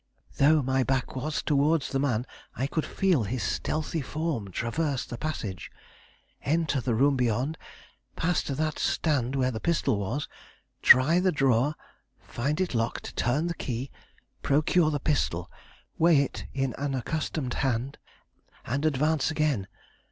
Though my back was towards the man, I could feel his stealthy form traverse the passage, enter the room beyond, pass to that stand where the pistol was, try the drawer, find it locked, turn the key, procure the pistol, weigh it in an accustomed hand, and advance again.